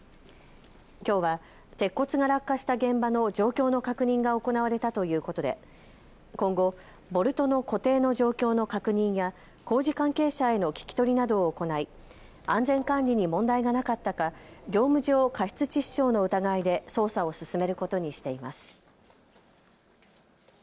きょうは鉄骨が落下した現場の状況の確認が行われたということで今後、ボルトの固定の状況の確認や工事関係者への聞き取りなどを行い、安全管理に問題がなかったか業務上過失致死傷の疑いで捜査を進めることにしています。